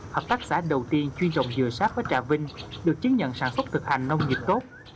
hợp tác xã đầu tiên chuyên trồng dừa sáp ở trà vinh được chứng nhận sản xuất thực hành nông nghiệp tốt